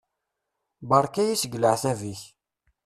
Beṛka-yi seg leɛtab-ik!